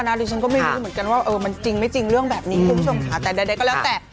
ประมาณนั้นเนี่ยแหละ